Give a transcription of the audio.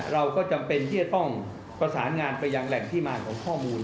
เราก็จำเป็นที่จะต้องประสานงานไปยังแหล่งที่มาของข้อมูล